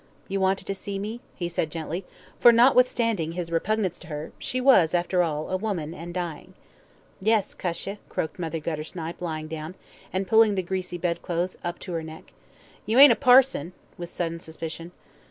"You wanted to see me?" he said gently, for, notwithstanding his repugnance to her, she was, after all, a woman, and dying. "Yes, cuss ye," croaked Mother Guttersnipe, lying down, and pulling the greasy bedclothes up to her neck. "You ain't a parson?" with sudden suspicion.